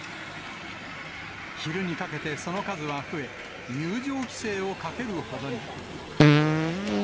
昼にかけてその数は増え、入場規制をかけるほどに。